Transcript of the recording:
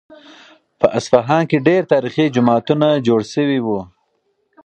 په اصفهان کې ډېر تاریخي جوماتونه جوړ شوي وو.